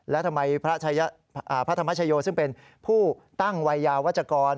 แล้วทำไมพระธรรมชโยซึ่งเป็นผู้ตั้งวัยยาวัชกร